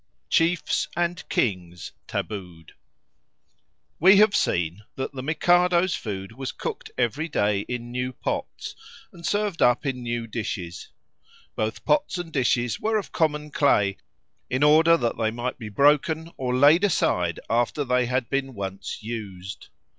Chiefs and Kings tabooed WE have seen that the Mikado's food was cooked every day in new pots and served up in new dishes; both pots and dishes were of common clay, in order that they might be broken or laid aside after they had been once used.